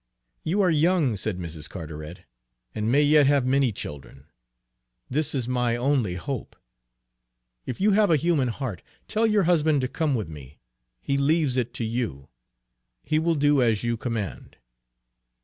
"You are young," said Mrs. Carteret, "and may yet have many children, this is my only hope! If you have a human heart, tell your husband to come with me. He leaves it to you; he will do as you command."